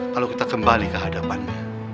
kalau kita kembali ke hadapannya